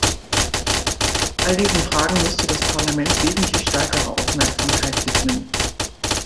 All diesen Fragen müsste das Parlament wesentlich stärkere Aufmerksamkeit widmen.